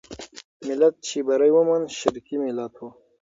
ملت چې بری وموند، شرقي ملت وو.